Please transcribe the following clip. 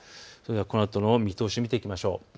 このあとの見通しを見ていきましょう。